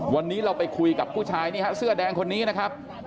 วันนี้เราไปคุยกับผู้ชายนี่ฮะเสื้อแดงคนนี้นะครับ